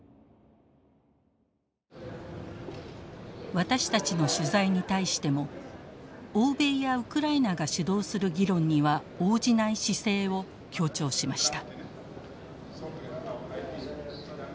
私たちの取材に対しても欧米やウクライナが主導する議論には応じない姿勢を強調しました。